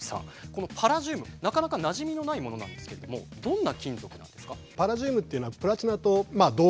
このパラジウムなかなかなじみのないものなんですけれどもどんな金属なんですか？